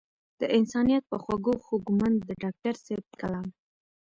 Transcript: د انسانيت پۀ خوږو خوږمند د ډاکټر صېب کلام